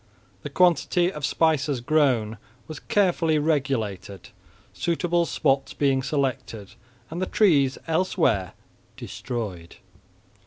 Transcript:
The quantity of spices grown was carefully regulated, suitable spots being selected, and the trees elsewhere destroyed.